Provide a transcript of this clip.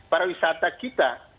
ini adalah wisata kita